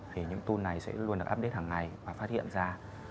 thì những tool này sẽ luôn được update hàng ngày và phát hiện ra